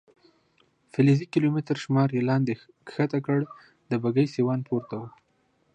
فلزي کیلومتر شمار یې لاندې کښته کړ، د بګۍ سیوان پورته و.